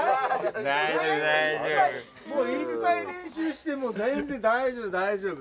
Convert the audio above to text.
もういっぱい練習してもうぜんぜん大丈夫大丈夫。